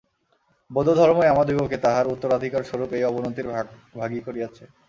বৌদ্ধধর্মই আমাদিগকে তাহার উত্তরাধিকারস্বরূপ এই অবনতির ভাগী করিয়াছে।